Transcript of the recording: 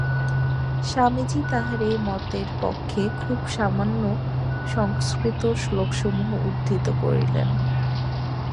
স্বামীজী তাঁহার এই মতের পক্ষে খুব প্রামাণ্য সংস্কৃত শ্লোকসমূহ উদ্ধৃত করিলেন।